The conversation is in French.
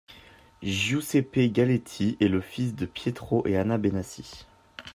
Giuseppe Galletti est le fils de Pietro et Anna Benassi.